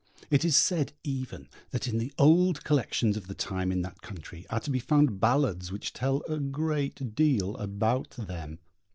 It is said even that in the old collections of the time in that country are to be found ballads which tell a great deal about them.